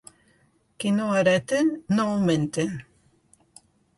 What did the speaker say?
Qui no hereta, no augmenta.